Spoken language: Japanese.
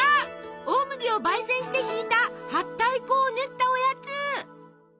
大麦をばい煎してひいたはったい粉を練ったおやつ。